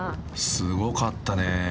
［すごかったね］